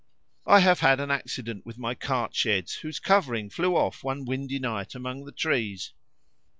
I have had an accident with my cart sheds, whose covering flew off one windy night among the trees.